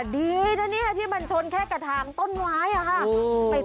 ดีนะเนี่ยที่มันชนแค่กระถางต้นไม้อะค่ะ